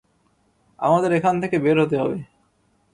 আমাদের এখান থেকে বের হতে হবে।